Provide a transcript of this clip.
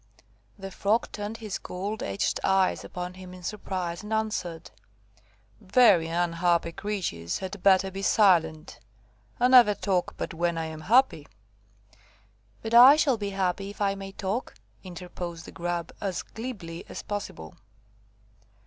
The Frog turned his gold edged eyes upon him in surprise, and answered– "Very unhappy creatures had better be silent. I never talk but when I am happy." "But I shall be happy if I may talk," interposed the Grub, as glibly as possible.